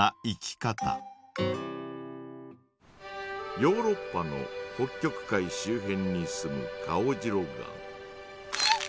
ヨーロッパの北極海周辺に住むカオジロガン。